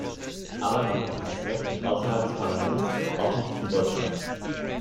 Aber man hat dieses Recht nicht außerhalb des Parlaments, auch nicht in Deutschland.